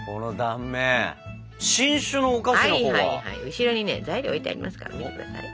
後ろにね材料置いてありますから見てください。